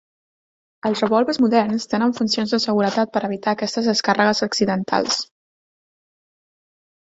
Els revòlvers moderns tenen funcions de seguretat per evitar aquestes descàrregues accidentals.